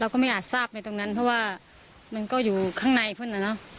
ก็ไม่อาจทราบไปตรงนั้นเพราะว่ามันก็อยู่ข้างในเพื่อนน่ะเนอะ